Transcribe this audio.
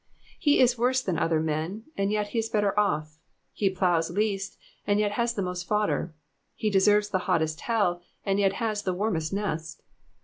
He is worse than other men, and yet he is better off ; he ploughs least, and yet has the most fodder. He deserves the hottest hell, and yet has the warmest nest.